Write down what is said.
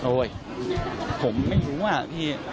โดยผมไม่รู้ว่าพี่